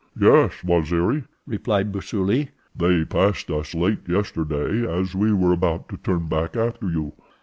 "Yes, Waziri," replied Busuli. "They passed us late yesterday, as we were about to turn back after you.